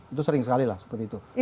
itu sering sekali lah seperti itu